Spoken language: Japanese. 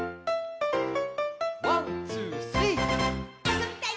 「ワンツースリー」「あそびたい！